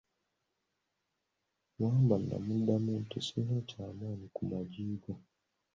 Wambwa n'amudamu nti, sirina kye mmanyi ku maggi go.